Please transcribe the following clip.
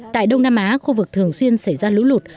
tại đông nam á khu vực thường xuyên xảy ra lũ lụt